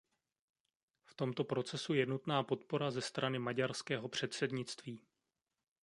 V tomto procesu je nutná podpora ze strany maďarského předsednictví.